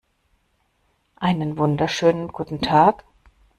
Einen wunderschönen guten Tag!